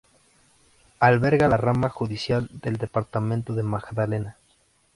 Alberga la rama judicial del departamento de Magdalena.